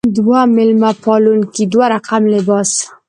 دوه میلمه پالونکې دوه رقم لباس.